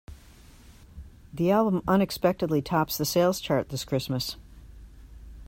The album unexpectedly tops the sales chart this Christmas.